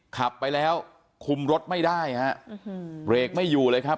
ขับไปแล้วคุมรถไม่ได้ฮะเบรกไม่อยู่เลยครับ